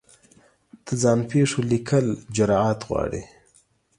د ځان پېښو لیکل جرعت غواړي.